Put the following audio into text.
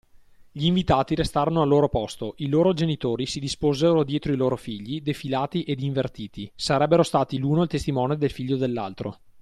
Gli invitati restarono al loro posto, i loro genitori si disposero dietro i loro figli, defilati ed invertiti: sarebbero stati l’uno il testimone del figlio dell’altro.